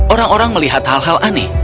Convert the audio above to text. orang orang melihat hal hal aneh